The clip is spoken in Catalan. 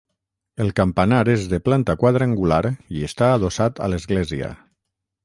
El campanar és de planta quadrangular i està adossat a l’església.